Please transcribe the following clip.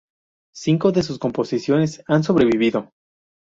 Cinco de sus composiciones han sobrevivido.